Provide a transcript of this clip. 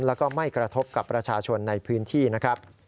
แล้วก็ไม่กระทบกับประชาชนในพื้นที่นะครับ